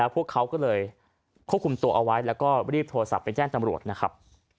พวกเขาก็เลยควบคุมตัวเอาไว้แล้วก็รีบโทรศัพท์ไปแจ้งตำรวจนะครับ